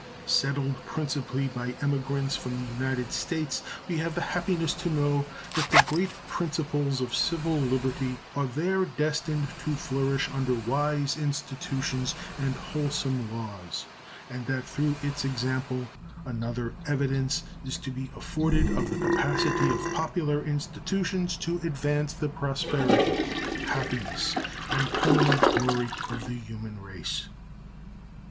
Settled principally by emigrants from the United States, we have the happiness to know that the great principles of civil liberty are there destined to flourish under wise institutions and wholesome laws, and that through its example another evidence is to be afforded of the capacity of popular institutions to advance the prosperity, happiness, and permanent glory of the human race.